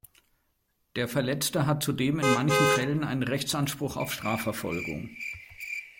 Der Verletzte hat zudem in manchen Fällen einen Rechtsanspruch auf Strafverfolgung.